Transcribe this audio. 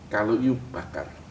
kalau you bakar